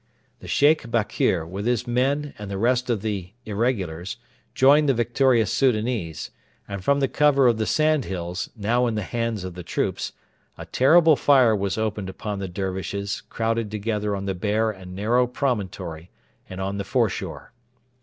The Sheikh Bakr, with his men and the rest of the irregulars, joined the victorious Soudanese, and from the cover of the sandhills, now in the hands of the troops, a terrible fire was opened upon the Dervishes crowded together on the bare and narrow promontory and on the foreshore.